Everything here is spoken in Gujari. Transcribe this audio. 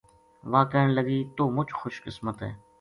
واہ کہن لگی توہ مُچ خوش قسمت